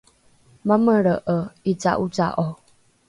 mamelre’e ’ica’oca’o